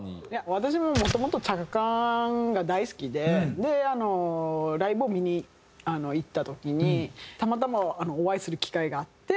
私もうもともとチャカ・カーンが大好きであのライブを見に行った時にたまたまお会いする機会があって。